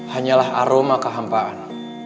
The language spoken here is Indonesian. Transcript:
hanya aroma kehampaan